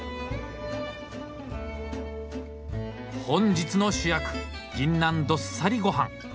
本日の主役ギンナンどっさりごはん。